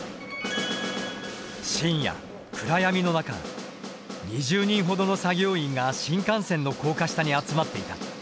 深夜暗闇の中２０人ほどの作業員が新幹線の高架下に集まっていた。